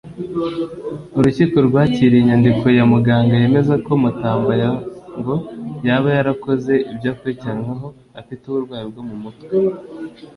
urukiko rwakiriye inyandiko ya muganga yemeza ko Mutamba ngo yaba yarakoze ibyo akurikiranyweho afite uburwayi bwo mu mutwe